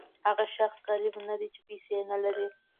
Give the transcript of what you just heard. هغه شخص غریب نه دی چې پیسې نه لري.